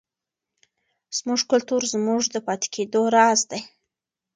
زموږ کلتور زموږ د پاتې کېدو راز دی.